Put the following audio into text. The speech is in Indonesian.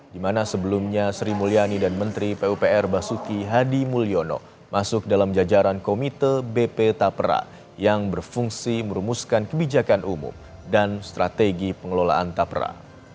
di mana sebelumnya sri mulyani dan menteri pupr basuki hadi mulyono masuk dalam jajaran komite bp tapera yang berfungsi merumuskan kebijakan umum dan strategi pengelolaan tapera